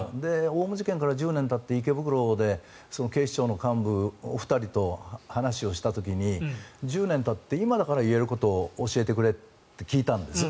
オウム事件から１０年たって池袋で警視庁の幹部２人と話をした時に、１０年たって今だから言えることを教えてくれって聞いたんです。